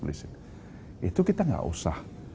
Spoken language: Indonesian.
itu kita gak usah